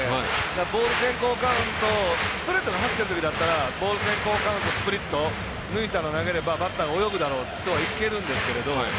ボール先行カウントストレートが走っているときだったらボール先行カウントスプリット、抜いたのを投げればバッターが泳ぐだろうといけるんですけど。